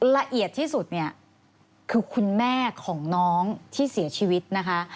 ละเอียดที่สุดเนี่ยคือคุณแม่ของน้องที่เสียชีวิตนะคะ